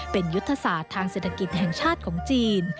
เป็นยุทธศาสตร์ทางเศรษฐกิจแห่งชาติของจีน